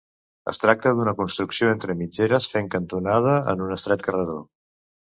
Es tracta d'una construcció entre mitgeres, fent cantonada en un estret carreró.